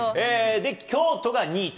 で、京都が２位と。